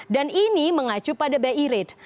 dan ini mengacu pada bi rate